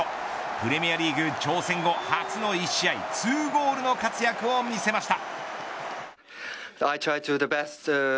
プレミアムリーグ挑戦後ツーゴールの活躍を見せました。